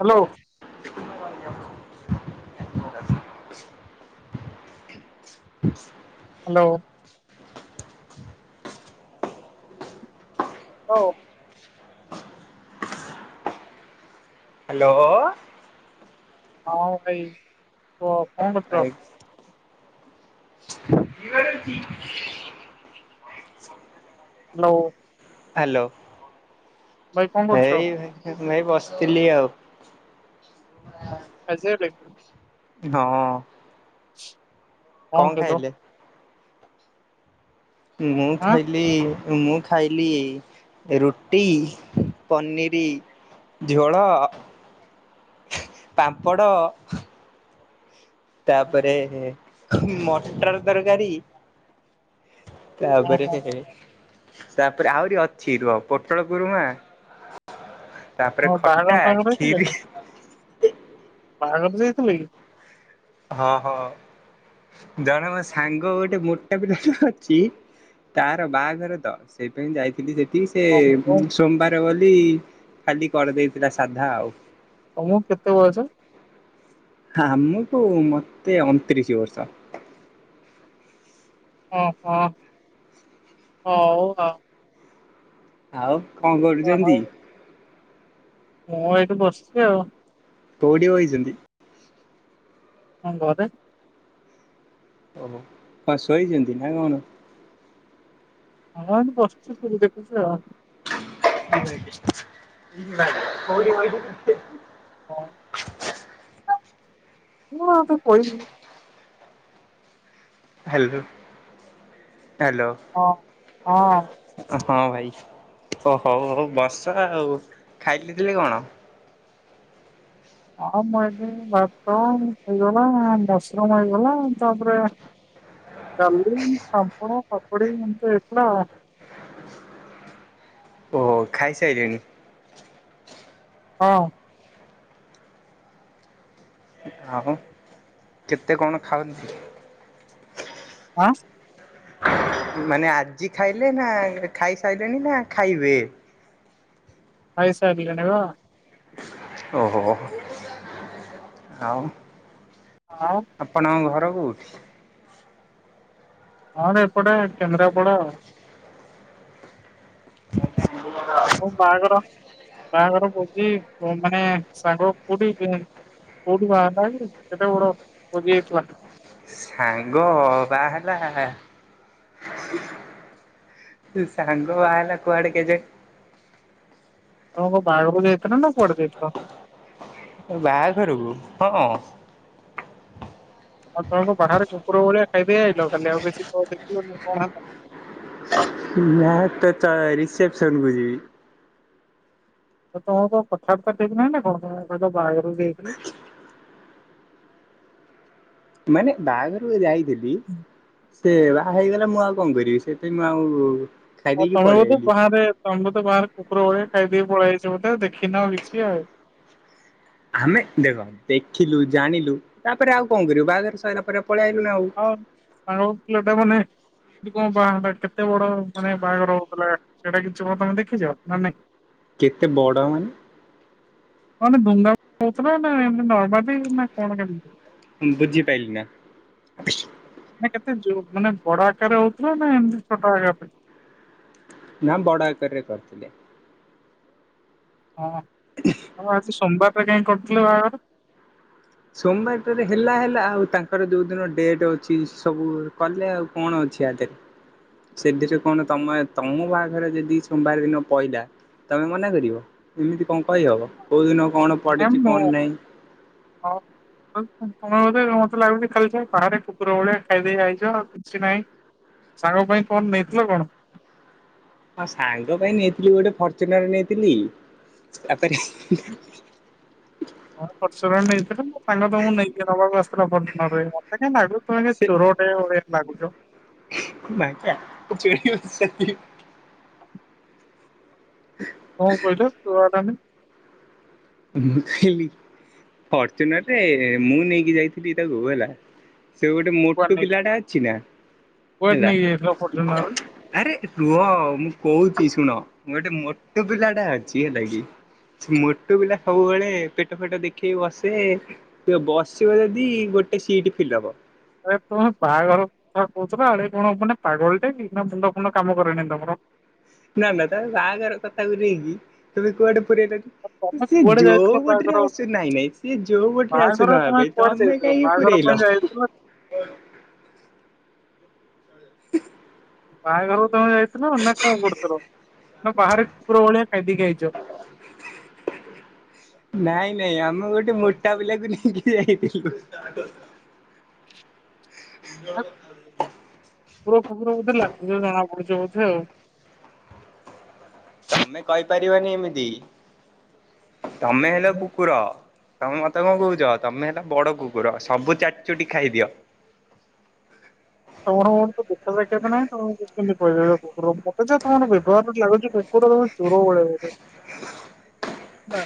Hello. ନ ଏହାପରନ୍ତି [inaudible] hello. [inaudible] ଲୋ hello. ହଁ ଭାଇ କୁହ କଣ ଭାଇ କରୁଥିଲ? [inaudible] ହ୍ୟାଲୋ। ହ୍ୟାଲୋ ଭାଇ କଣ କରୁଛ? ଏଇଁ ଏଇ ବସିଥିଲି ଆଉ। ହଁ ଖାଇଶାରିଲେ? ହଁ। [inaudible] କଣ ଖାଇଲେ? ମୁଁ ଆଁ ଖାଇଲି ମୁଁ ଖାଇଲି ରୁଟି ପନିରି ଝୋଳ ପାମ୍ପଡ଼ ତାପରେ ମଟର ତରକାରୀ। ତା ଓହୋ ପରେ ହଁ ତାପରେ ଆହୁରି ଅଛି ରୁହ ପୋଟଳ କୁରୁମା ତାପରେ ହଁ ବାହାଘର ଖଟା ଫାହାଘର ହେଇଥିଲା ଖିରି କି ବାହାଘର ଯାଇଥିଲେ କି? ହଁ ହଁ ଜଣେ ମୋ ସାଙ୍ଗ ଗୋଟେମୋ ମୋଟା ପିଲା ଟେ ଅଛି ତାର ବାହାଘର ତ ସେଇପାଇଁ ଯାଇଥିଲି ସେଠି ସେ ଓହୋ କଣ ସୋମବାର ବୋଲି ଖାଲି କରିଦେଇଥିଲା ସାଧା ଆଉ। ତମକୁ କେତେ ବୟସ? ଆମକୁ ମୋତେ ଅଣତିରିଶ ବର୍ଷ। ଅହଁ ହଉ ଆଉ ଆଉ କଣ ଯା ହଉ କରୁଛନ୍ତି? ମୁଁ ଏଇଠି ବସିଛି ଆଉ। କୋଉଠିବଇଛନ୍ତି? ଆମ୍ ଘରେ। ଓହ କଣ ଶୋଇଛନ୍ତି ନା କଣ? ହଁ ଏମିତି ବସିଚୁ ଟିଭି ଦେଖୁଚି ଆଉ। [inaudible] ହଁ। [inaudible] Hello hello. ହଁ ହଁ। ହଁ ଭାଇ ଓ ହଉ ହଉ ବସ ଆଉ ଖାଇ ଲି ଥିଲେ କଣ? ଅ ମୁଁ ଏଠି ଭାତ ଝୁଲଣ ମସରୁମ୍ ହେଇଥିଲା ତା ପରେ ଡାଲି ପାମ୍ପଡ କାକୁଡି ଏମିତି ହେଇଥିଲାଆଉ। ଓହ ଖାଇସାରିଲେଣି? ହଁ। ଆଉ କେତେ କଣ ଖାଅନ୍ତି? ଆଁ। ମାନେ ଆଜି ଖାଇଲେ ନା ଖାଇସାଇଲେଣି ନା ଖାଇବେ? ଖାଇସାରିଲିଣି ବା। ଅହୋ। ଆଉ ଆଉ ଆପଣଙ୍କ ଘର କୁଉଠି? ଆମର ଏପଟେ କେନ୍ଦ୍ରାପଡାଆଉ। ଆଉ ବାହାଘର ବାହାଘର ଭୋଜି ମାନେ ସାଙ୍ଗ କୋଉଠୀ କୋଉଠି ବାହା ହେଲା କି ଏତେ ବଡ଼ ଭୋଜିହେଇଥିଲା। ସାଙ୍ଗ ବାହା ହେଲା ସେ ସାଙ୍ଗ ବାହା ହେଲାକୁଆଡେ କେଜା ତମେ କଣ ବାହାଘରକୁ ଯାଇଥିଲ ନା କୁଆଡେ ଯାଇଥିଲ? ବାହାଘରକୁ ହଁ। ଆଉ ତମେ କଣ ବାହାରେ କୁକୁର ଭଳିଆ ଖାଇଦେଇ ଆଇଲ ଖାଲି ଆଉ କିଛି କ ଦେଖିଲନି କଣ ହେଲା? ନା ତ ଚାରି ରିସେପସନ୍‌ କୁଯିବି। ଏ ତମର କଣ କଥାବାର୍ତ୍ତା ଠିକ୍ ନାହିଁ ନା କଣ ତମେ ବା କହିଲ ବାହାଘରକୁ ଯାଇଥିଲି। ମାନେ ବାହାଘରକୁ ଯାଇଥିଲି। ସେ ବାହା ହେଇଗଲା ମୁଁ ଆଉ କଣ କରିବି ସେଠି ମୁଁ ଆଉ ଖାଇଦେଇକି ତମେ ପଳେଇ ବୋଧେ ଆଇଲି ବାହାରେ ତମେ ବୋଧ ବାହାରେ କୁକୁର ଭଳିଆ ଖାଇଦେଇ ପଳିଆଇଚ ଦେଖିନ କିଛି ଆଉ। ଆମେ ଦେଖ ଦେଖିଲୁ ଜାଣିଲୁ ତାପରେ ଆଉ କଣ କରିବୁ ବାହାଘର ସରିଲା ପରେ ପଳେଇ ଆଇଲୁ ନା ଆଉ। ସାଙ୍ଗ ପିଲାଟା ମାନେ କେମିତି କଣ ବାହାହେଲା କେତେ ବଡ ମାନେ ବାହାଘର ହଉଥିଲା। ସେଟା କିଛି [inaudible] ତୋମେ ଦେଖିଛ ନା ନାଇଁ? କେତେ ବଡ ମାନେ ମାନେ ଧୁମ଼ ଧାମରେ ହଉଥିଲା ନା ଏମତି ନର୍ମାଲିନା କଣ କେମିତି? ବୁଝିପାଇଲିିନା। ମାନେ କେତେ ଯୋ ମାନେ ବଡ ଆକାରରେ ହଉଥିଲା ନା ଏମିତି ଛୋଟ ଆକାରରେ? ନା ବଡ ଆକାରରେ କରିଥିଲେ। ହଁ ହଁ ଆଜି ସୋମବାରଟରେ କାହିଁ କରିଥିଲେ ବାହାଘର? ସୋମବାରଟାରେ ହେଲା ହେଲା ଆଉ ତାଙ୍କର ଯୋଉ ଦିନ ଡେଟ ଅଛି ସବୁ କଲେ ଆଉ। କଣଅଛି ଆ ଦେହରେ। ସେଥିରେ କଣ ତମେ ତମ ବାହାଘରେ ଯଦି ସୋମବାର ଦିନ ପହିଲା। ତମେ ମନା କରିବ ଏମିତି କଣ କହିହବ କୋଉ ଦିନ କଣ ପଡିଛି କଣ ନାହିଁ। ହ ତ-ତମେ ବୋଧେ ମତେ ଲାଗୁଛି ଖାଲି ଯା ଖରାରେ କୁକୁର ଭଳିଆ ଖାଇଦେଇ ଆଇଚ। କିଛି ନାହିଁ ସାଙ୍ଗ ପାଇଁ କଣନେଇଥିଲ କଣ? ହଁ ସାଙ୍ଗ ପାଇଁ ନେଇଥିଲି ଗୋଟେ ଫର୍ଚୁନର ନେଇଥିଲି ତାପରେ ହଁ ପର୍ଚୁର ନେଇଥିଲ ନା ସାଙ୍ଗ ତମକୁ ନେଇକି ନବାକୁ ଆସିଥିଲା ପର୍ଚୁନରେ ମତେ କାଇଁ ଲାଗୁଚି ତମେ ସେ ଚୋର ସେଇଭଳି ଲାଗୁଚ। [unintelligible] କଣ କହିଲ ସୁଭାଗଲାନି? ମୁଁ କହିଲି ଫର୍ଚୁନରରେ ମୁଁ ନେଇକି ଯାଇଥିଲି ତାକୁ ହେଲା। ସେ ଗୋଟେ କୁଆଡେ ମୋଟୁ ନେଇକି ପିଲାଟା ଅଛି ନା? କୁଆଡେ ହେଲା ନେଇଯାଇଥିଲା ଫର୍ଚୁନ ରେ? ଆରେ ରୁହ ମୁଁ କହୁଛି ଶୁଣ ଗୋଟେ ମୋଟୁ ପିଲା ଟା ଅଛି ହେଲାକି। ମୋଟୁ ପିଲା ସବୁବେଳେ ପେଟ ଫେଟ ଦେଖେଇ ବସେ। ସେ ବସିବ ଯଦି ଗୋଟେ ସିଟ ଫିଲପ। ଆରେ ତୁମେ ବାହାଘର କଥା କହୁଥିଲ ଆଡେ କଣ ମାନେ ପାଗଳ ଟାକି ନା ମୁଣ୍ଡ ଫୁଣ୍ଡ କାମ କରେନି ତମର। ନା ନା ତମେ ବାହାଘର କଥାକୁ ନେଇକି ତୁମେ କୁଆଡେ ପୁରେଇଲ। ତମେ ସିଏ କୁଆଡେ ଯୋଉ ଯାଇଥିଲ ବାଟରେ ବାହାଘର ଆସୁ ନାଇଁ ନାଇଁ ସିଏ ଯୋଉ ଭଟରେ ଆସୁ ବାହାଘର ନବା ପାଇଁ। କୁଆଡେ ତମେ ଯାଇଥିଲ କାହିଁକି ବାହାଘର ପାଇଁ ପୁରାଇଲ। ଯାଇଥିଲ [unintelligible] ବାହାଘରକୁ ତମେ ଯାଇଥିଲ ନା କଣ କରୁଥିଲ ନା ବାହାରେ କୁକୁର ଭଳିଆ ଖାଇଦେଇ କି ଆାଇଚ? ନାଇଁ ନାଇଁ ଆମେ ଗୋଟେ ମୋଟା ପିଲାକୁ ନେଇକି ଯାଇଥିଲୁ। କୁକୁର ପୁକୁର ବୋଧେ ଲାଗୁଛ ଜଣା ପଡୁଚ ବୋଧେ ଆଉ। ତମେ କହିପାରିବନି ଏମିତି ତମେ ହେଲ କୁକୁର। ତମେ ମତେ କଣ କହୁଛ ତମେ ହେଲ ବଡ଼ କୁକୁର ସବୁ ଚାଟି ଚୁଟି ଖାଇଦିଅ। ତମର ମେରତ ଦେଖା ସାକ୍ଷାତ ନାହିଁ, ତମ କେମିତି କହି ପାରିବ କୁକୁର ମତେ ଯେ ତମର ବ୍ୟବହାର ଲାଗୁଛି ଚୋର ବଳିଆ ବୋଧେ ନା।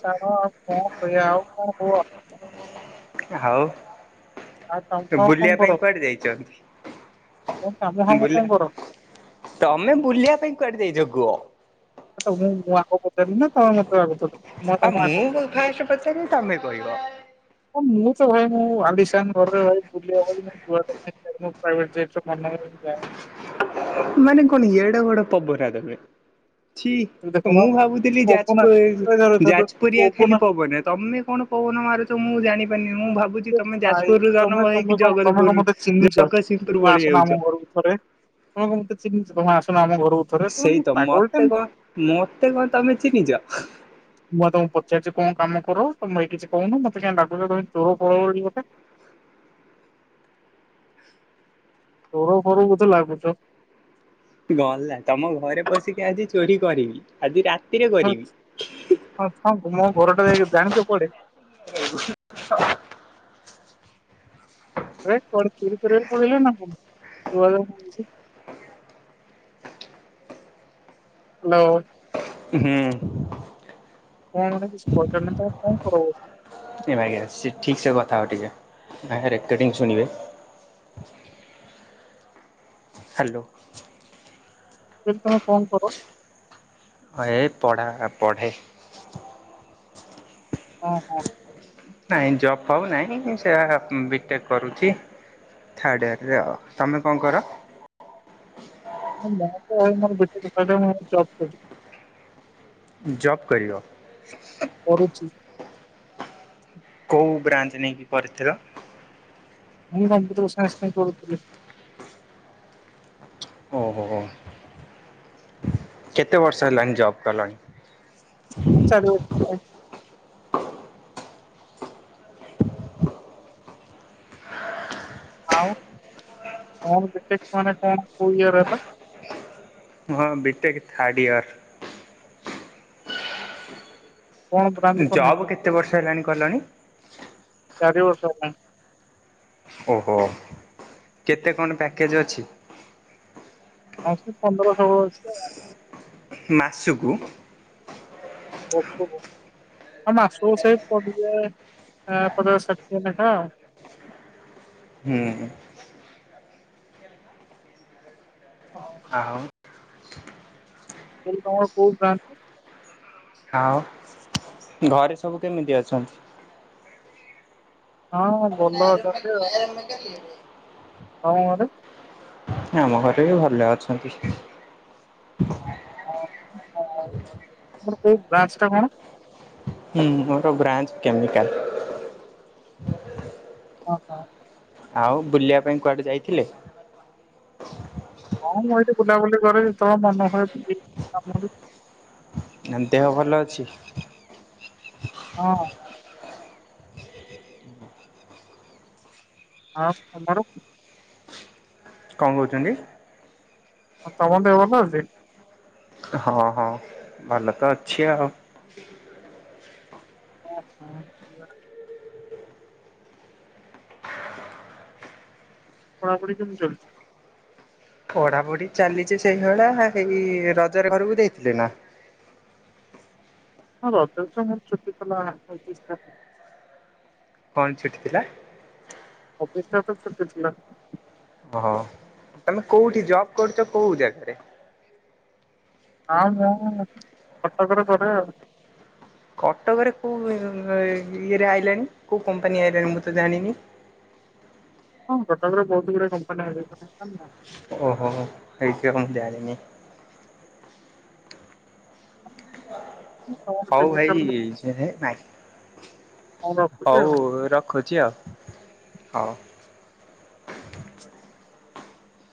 ଛାଡ ଆଉ କଣ କହିବା ଆଉ କଣ କୁହ। ଆଉ। ଆଉ ତମ ଆଉ କଣ ବୁଲିବା ପାଇଁ କର କୁଆଡେ ତମ କାମ ଯାଇଛନ୍ତି ଫାମ କଣ ବୁଲା। କର? ତମେ ବୁଲିବା ପାଇଁ କୁଆଡେ ଯାଇଛ କୁହ? ତମେ ମୁଁ ଆଗ ପଟେ ନୁହେଁ [unintelligible] ଆଉ ମୁଁ ଫାଷ୍ଟ ପଚାରିବି ତମେ କହିବ। ମୁଁ ତ ଭାଇ ମୁଁ ଆାଲିସାନ ଘରରେ ରହେ ବୁଲି ହବ ନି। [unintelligible] ପ୍ରାଇଭିଟ ଜେଟ୍ [unintelligible] ମନେ କଣ ଏଡ଼ ଵଡ଼ ପବନା ତମେ? ଛି କିନ୍ତୁ ଦେଖୁନ ମୁଁ ଭାବୁଥିଲି ପବନ ଯାଜପୁଏ ଯାଜପୁରିଆ ଆସୁଛି ପବନ ଖାଲି ପବନା ତମେ କଣ? ପବନା ମାରୁଛ ମୁଁ ଜାଣିପାରିନି ମୁଁ ଭାବ୍ ଭାଇ ତମେ ତମେ କଣ ତମେ କଣ ମତେ ଚିହ୍ନିଛ ଜଗତସିଂହପୁର ତମେ ଭଳି ଆସୁନ ହେଉଛ। ଆମ ଘରକୁ ଥରେ। ତଣ କଣ ଚିିହିଁଛ ତମେ ଆସୁନ ଆମ ଘରକୁଥରେ ତ ପାଗଳ ଟା ନା କଣ? ମୋତେ କଣ ତମେ ଚିହ୍ନିଛ? ମୁଁ ଆ ତମକୁ ପଚାରିଛି କଣ କାମ କର ତ ମୁଇଁ କିଛି କହୁନୁ ମତେ କାଁ ଲାଗୁଛ ତ ଚୋର ଫଳ ଗୋଟେ ଚୋର ଫୋର ବୋଧେ ଲାଗୁଛ? ଗଲା ତମ ଘରେ ପସିକି ଆଜି ଚୋରି କରିବି ଆଜି ରାତିରେ କରିବି? ହଁ ହଁ ମୋ ଘରଟା ଯାଇକି ଜାଣିଛ କୁଆଡେ? ହ ଆରେ କୁଆଡେ ଚୋରି କରିବାକୁ ପଳେଇଲନା କଣ ଶୁଭାଯାଉନି କିଛି? ହ୍ୟାଲୋ। ହୁଁ। କଣ ମାନେ କିଛି କହିଲନି ନା ତମେ କଣ କର ବୋଲି? ଏ! ! ! ! ! ! ! ! ! ! ଠିକ୍ ସେ କଥା ହ ଟିକେ ଆ ରେକର୍ଟିଙ୍ଗ ଶୁଣିବେ। ହ୍ୟାଲୋ। ଦିଦି ତୁମେ କଣ କର? ଏଇ ପଢା ପଢ଼େ। ହଁ ହଁ। ନାଇଁ ଜବ୍ ଫବ୍ ନାହିଁ ମୁ ସେ ବିଟେକ୍ କରୁଛି। ଥାର୍ଡ଼ ଇଅରରେ ତମେ କ ଣ କର? ହଁ ବା ମୋର ଗୋଟେ କ ମୁ ଜବ୍ କରଛି। ଜବ୍ କରିବ। କରୁଛି। କୋଉ ବ୍ରାଞ୍ଚ୍ ନେଇକି ପଢିଥିଲ? ମୁଁ କମ୍ପ୍ୟୁଟର ସାଇଁନ୍ସ ପାଇଁ କରୁଥିଲି। ଓ ହୋ ହୋ। କେତେ ବର୍ଷ ହେଲାଣି ଜବ୍ କଲଣି? ୁ ଆଉ କଣ ବିଟେକ୍ ମାନେ କଣ କୋଉ ଇୟର ହେଲା? ମୋର ବିଟେକ ଥାର୍ଡ଼ ଇୟର୍। କଣ ବ୍ରାଞ୍ଚ ଜବ୍ କରିନେଇଥିଲ? କେତେ ବର୍ଷ ହେଲାଣି କଲଣି? ଚାରି ବର୍ଷ ହେଲା। ଓହୋ କେତେ କଣ ପ୍ୟାକେଜ ଅଛି? ଅଛି ପନ୍ଦର ଷୋହଳ ଅଛି ଆଉ ମାସୁକୁ। ବର୍ଷକୁ ଆଉ ମାସକୁ ସେଇ ପଡ଼ିଯାଏ ପଚାଶ ଷାଠିଏ ଲେଖା ଆଉ ହୁଁଁ। ହଁ। ଆଉ ସେ ତମର କୋଉ କାଷ୍ଟ? ଆଉ ଘରେ ସବୁ କେମିତି ଅଛନ୍ତି? ହଁ ଭଲ ଅଛନ୍ତି। ନାଇରେ ମେକାନିକ୍। ହଁ ତମ ଘରେ। ଆମ ଘରେ ବି ଭଲ ଅଛନ୍ତି। ଆଉ ଆଉ ତମର କୋଉ କ୍ଲାସଟା କଣ? ହୁଁ ମୋର ବ୍ରାଞ୍ଚ କେମିକାଲ। ଅହ। ଆଉ ବୁଲିଆ ପାଇଁ କୁଆଡେ ଯାଇଥିଲେ? ହଁ ମୁଁ ଏଇଠି ବୁଲାବୁଲି କରେ ଯେତେବେଳେ ମନ ହୁଏ କାମ ଆଁ ଦେହ ଭଲ ଅଛି। ହଁ। ଆଉ ତମର? କଣ କହୁଚନ୍ତି? ଆଉ ତମ ଦେହ ଭଲଅଚି। ହଁ ହଁ ଭଲ ତ ଅଛି ଆଉ। [unintelligible] ପଢାପୁଢି କେମିତି ଚାଲିଚି? ପଢାପଢି ଚାଲିଚି ସେଇଭଳିଆ। ଏଇ ରଜରେ ଘରକୁ ଯାଇଥିଲେ ନା? ହଁ ରଜରେ ତ ମୋର ଛୁଟିଥଲା। ଆ ଇ ଟି ଷ୍ଟାପରେ। କଣ ଛୁଟି ଥିଲା? ଅଫିସ୍ ଷ୍ଟାପ୍ ରେ ଛୁଟି ଥିଲା। ଓହୋ ତମେ କୋଉଠି ଜବ୍‌ କରୁଚ କୋଉ ଜାଗାରେ? ଆ ମୁଁ କଟକରେ କରେ ଆଉ। କଟକରେ କୋଉ ଇଏରେ ଆଇଲାଣି। କୋଉ କମ୍ପାନୀ ଆଇଲାଣି ମୁଁ ତ ଜାଣିନି? ହଁ କଟକରେ ବହୁତ ଗୁଡାଏ କମ୍ପାନୀ ଆଇଲେଣି। [unintelligible] ଓହୋ ହେଇଥିବ ମୁଁ ଜାଣିିନି। [inaudible] ସବୁ ଖାଇ କେମିକାଲ ହେଇ ମୁଁ ଯାଇଛି ହେ ନାଇଁ। ରଖୁଛି ହୋଉ ଆଉ। ରଖୁଚି ଆଉ ହୋଉ।